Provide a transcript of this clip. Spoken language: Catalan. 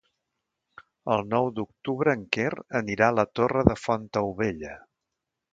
El nou d'octubre en Quer anirà a la Torre de Fontaubella.